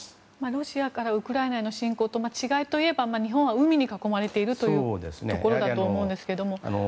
ロシアのウクライナ侵攻との違いといえば日本は海に囲まれているというところだと思うんですけども。